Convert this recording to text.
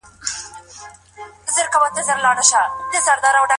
که میندې طلا واخلي نو پانګه به نه وي کمه.